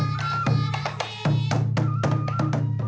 สวัสดีครับ